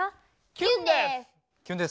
キュンです。